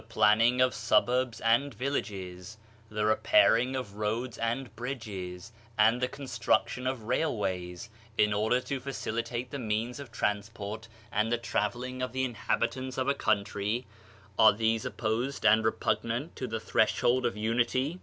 114 Digitized by Google OF CIVILIZATION ning of suburbs and villages, the repairing of roads and bridges and the construction of rail ways in order to facilitate the means of transport and the traveling of the inhabitants of a country — are these opposed and repugnant to the Threshold of Unity?